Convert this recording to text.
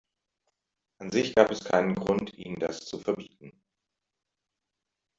An sich gab es keinen Grund, ihnen das zu verbieten.